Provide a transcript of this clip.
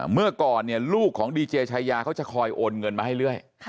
เมื่อก่อนลูกของดีเจชายาเขาจะคอยโอนเงินมาให้เรื่อย